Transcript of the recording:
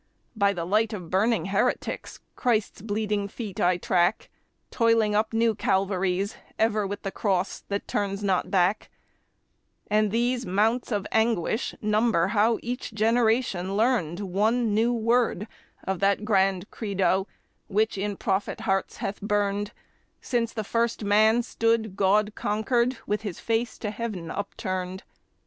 By the light of burning heretics Christ's bleeding feet I track, Toiling up new Calvaries ever with the cross that turns not back, And these mounts of anguish number how each generation learned One new word of that grand Credo which in prophet hearts hath burned Since the first man stood God conquered with his face to heaven upturned.